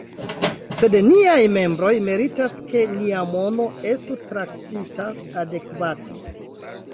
Sed niaj membroj meritas, ke nia mono estu traktita adekvate.